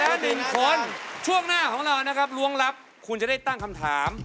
แล้วหนึ่งคนช่วงหน้าของเรานะครับล้วงลับคุณจะได้ตั้งคำถาม